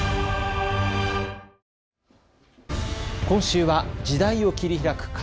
今週は時代を切り開く！